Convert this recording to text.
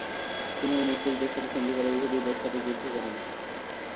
তিনি ঐ মুশরিকদের সাথে সন্ধি করে ইহুদীদের সাথে যুদ্ধ করেন।